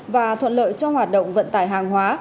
và thuận lợi trong hoạt động vận tải hàng hóa